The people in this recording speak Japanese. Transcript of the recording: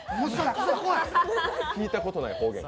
聞いたことない方言。